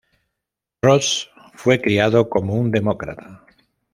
Ross fue criado como un demócrata.